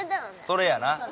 それやな。